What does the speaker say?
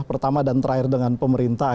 pertama dan terakhir dengan pemerintah